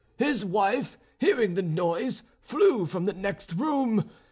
His wife, hearing the noise, flew from the next room.